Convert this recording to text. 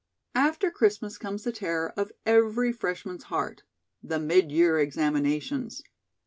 After Christmas comes the terror of every freshman's heart the mid year examinations.